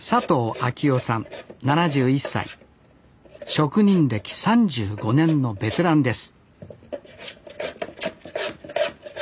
職人歴３５年のベテランです